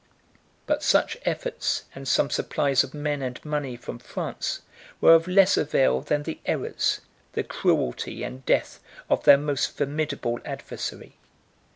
But such efforts, and some supplies of men and money from France, were of less avail than the errors, the cruelty, and death, of their most formidable adversary.